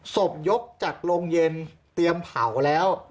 ศพยกจากโรงเย็นเตรียมเผาแล้ว